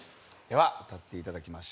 では歌っていただきましょう。